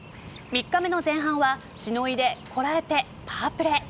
３日目の前半はしのいでこらえて、パープレー。